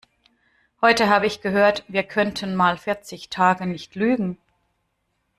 Heute habe ich gehört, wir könnten mal vierzig Tage nicht lügen.